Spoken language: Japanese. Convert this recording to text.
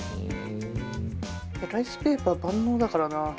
ライスペーパー万能だからな。